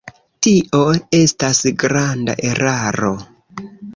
Tio estas granda eraro.